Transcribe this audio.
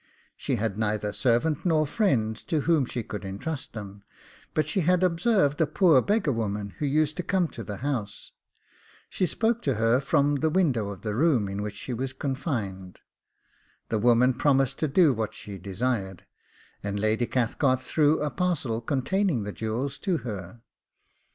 She had neither servant nor friend to whom she could entrust them, but she had observed a poor beggar woman, who used to come to the house; she spoke to her from the window of the room in which she was confined; the woman promised to do what she desired, and Lady Cathcart threw a parcel containing the jewels to her.